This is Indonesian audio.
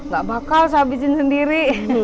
gak bakal saya bikin sendiri